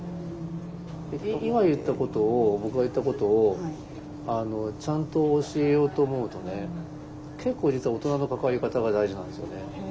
今言ったことを僕が言ったことをちゃんと教えようと思うとね結構実は大人の関わり方が大事なんですよね。